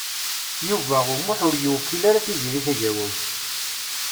Yuba U Muḥ ur yewqil ara Tiziri Tagawawt.